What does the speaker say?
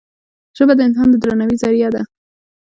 ژبه د انسان د درناوي زریعه ده